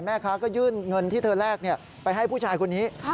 แม่ค้าก็ยื่นเงินที่เธอแลกไปให้ผู้ชายคนนี้